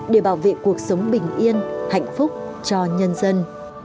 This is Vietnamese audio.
để bảo vệ cuộc sống bình yên hạnh phúc cho nhân dân